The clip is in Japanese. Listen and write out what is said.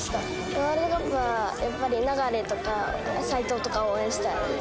ワールドカップはやっぱり流とか、齋藤とかを応援したいです。